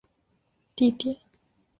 即有地质遗迹资源分布的地点。